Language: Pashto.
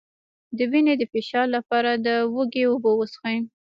د وینې د فشار لپاره د هوږې اوبه وڅښئ